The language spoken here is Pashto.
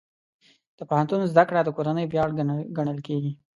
د پوهنتون زده کړه د کورنۍ ویاړ ګڼل کېږي.